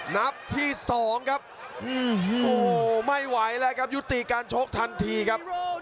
นับที่๒ครับไม่ไหวแล้วครับยุติการชกทันทีครับ